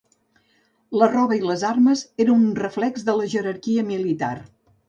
La roba i les armes eren un reflex de la jerarquia militar.